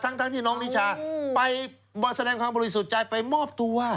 ทั้งที่น้องนิชาไปแสดงความบริสุทธิ์ใจไปมอบตัว